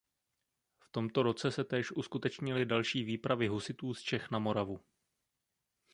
V tomto roce se též uskutečnily další výpravy husitů z Čech na Moravu.